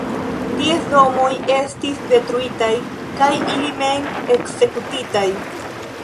Ties domoj estis detruitaj kaj ili mem ekzekutitaj.